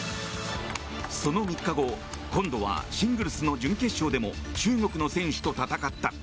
その３日後今度はシングルスの準決勝でも中国の選手と戦った。